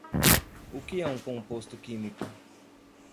O que é um composto químico?